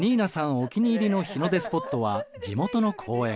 お気に入りの日の出スポットは地元の公園。